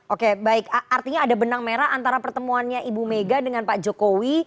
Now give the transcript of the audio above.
oke baik artinya ada benang merah antara pertemuannya ibu mega dengan pak jokowi